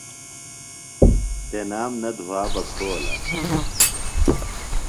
تنام نہ دُھا بہ کھولہ۔